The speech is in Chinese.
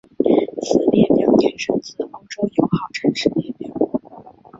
此列表延伸自欧洲友好城市列表。